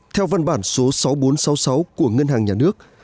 theo văn bản số sáu nghìn bốn trăm sáu mươi sáu của ngân hàng nhà nước